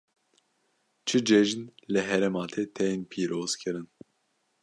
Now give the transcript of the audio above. Çi cejin li herêma te tên pîrozkirin?